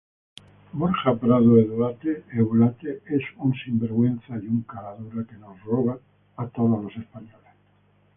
Borja Prado Eulate cursó estudios de Derecho en la Universidad Autónoma de Madrid.